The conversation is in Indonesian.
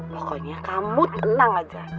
pokoknya kamu tenang aja